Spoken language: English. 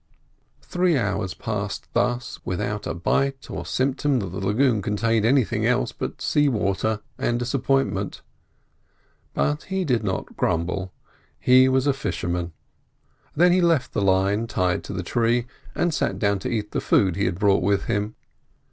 Three hours passed thus without a bite or symptom that the lagoon contained anything else but sea water, and disappointment; but he did not grumble. He was a fisherman. Then he left the line tied to the tree and sat down to eat the food he had brought with him.